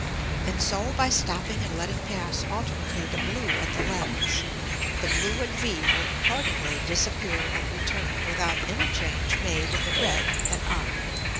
And so by stopping and letting pass alternately the blue at the Lens, the blue at v will accordingly disappear and return, without any Change made in the red at r.